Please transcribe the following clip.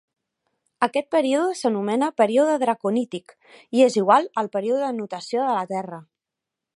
Aquest període s'anomena període draconític, i és igual al període de nutació de la Terra.